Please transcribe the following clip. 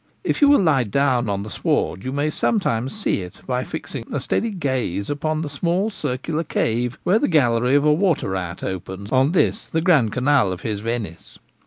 If you will lie down on the sward, you may some times see it by fixing a steady gaze upon the small circular cave where the gallery of a water rat opens on this the Grand Canal of his Venice.